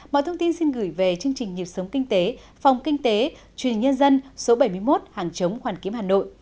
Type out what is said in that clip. mọi thông tin xin gửi về chương trình nhịp sống kinh tế phòng kinh tế truyền nhân dân số bảy mươi một hàng chống hoàn kiếm hà nội